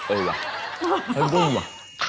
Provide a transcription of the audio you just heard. เอ๊ยว่ะไม่รู้ว่ะ